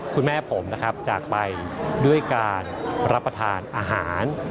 คุณแม่ผมนะครับจากไปด้วยการรับประทานอาหาร